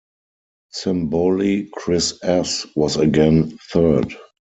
Symboli Kris S was again third.